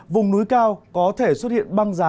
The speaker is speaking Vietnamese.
vùng núi cao có thể xuất hiện băng rá